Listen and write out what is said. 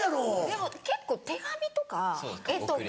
でも結構手紙とか絵とか。